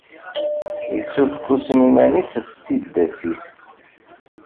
Issukkusen iman-is s tiddas-is.